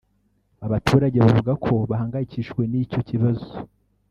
Abaturage bavuga ko bahangayikishijwe n’icyo kibazo